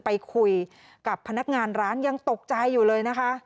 ไปคุยกับพนักงานร้านยังตกใจอยู่เลยนะคะ